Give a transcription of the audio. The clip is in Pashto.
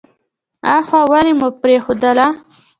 اوهووو ولې مو پرېښودله.